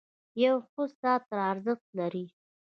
• یو ښه ساعت ارزښت لري.